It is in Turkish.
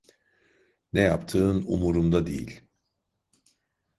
Ne yaptığın umurumda değil.